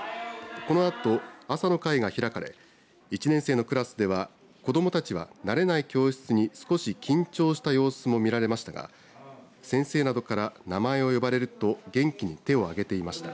このあと朝の会が開かれ１年生のクラスでは子どもたちは慣れない教室に少し緊張した様子も見られましたが先生などから名前を呼ばれると元気に手を上げていました。